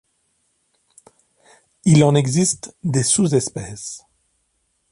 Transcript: Il en existe des sous-espèces.